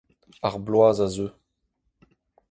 ar bloaz a zeu